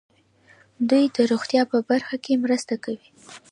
دوی د روغتیا په برخه کې مرستې کوي.